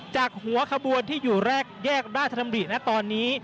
จากหัวขบวนที่อยู่แรกแยกราชดำรินะตอนนี้